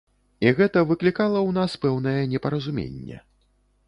І гэта выклікала ў нас пэўнае непаразуменне.